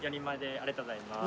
ありがとうございます。